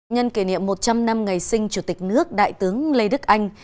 nhân kỷ niệm một trăm linh năm ngày sinh chủ tịch nước đại tướng lê đức anh